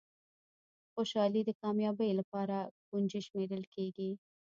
خوشالي د کامیابۍ لپاره کونجي شمېرل کېږي.